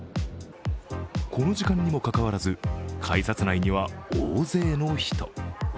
この時間にもかかわらず、改札内には大勢の人。